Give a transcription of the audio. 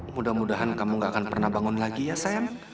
mudah mudahan kamu gak akan pernah bangun lagi ya saya